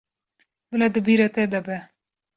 Bila di bîra te de be.